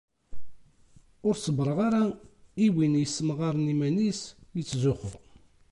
Ur ṣebbreɣ ara i win yessemɣaren iman-is, ittzuxxu.